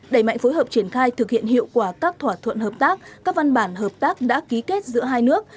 đẩy mạnh phối hợp triển khai thực hiện hiệu quả các thỏa thuận hợp tác các văn bản hợp tác đã ký kết giữa hai nước